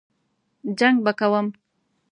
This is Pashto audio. جنګ به کوم.